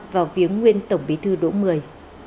vào viếng nguyên tổng bí thư đỗ mười